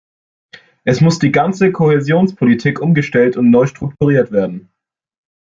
Es muss die ganze Kohäsionspolitik umgestellt und neu strukturiert werden.